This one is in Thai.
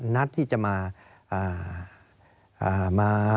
นัดที่จะมา